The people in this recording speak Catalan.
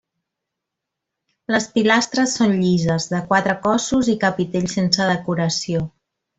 Les pilastres són llises, de quatre cossos i capitell sense decoració.